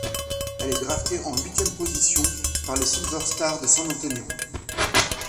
Elle est draftée en huitième position par les Silver Stars de San Antonio.